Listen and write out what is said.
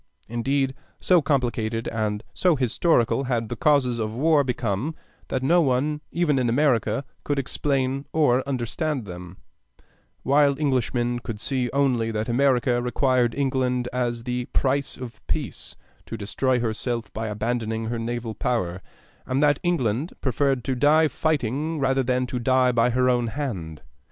Indeed, so complicated and so historical had the causes of war become that no one even in America could explain or understand them, while Englishmen could see only that America required England as the price of peace to destroy herself by abandoning her naval power, and that England preferred to die fighting rather than to die by her own hand.